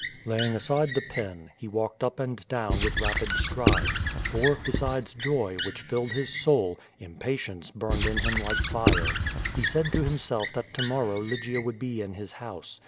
Laying aside the pen, he walked up and down with rapid strides; for, besides joy, which filled his soul, impatience burn ed in him like fire. He said to himself that to morrow Lygia would be in his house.